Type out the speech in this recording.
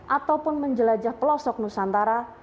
ataupun menjelajah pelosok nusantara